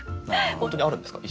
本当にあるんですか？